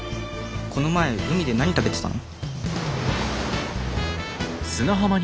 この前海で何食べてたの？」。